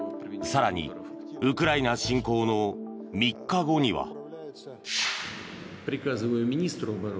更にウクライナ侵攻の３日後には。